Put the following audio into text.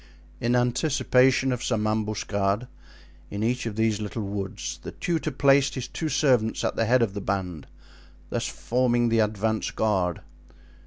In anticipation of some ambuscade in each of these little woods the tutor placed his two servants at the head of the band, thus forming the advance guard.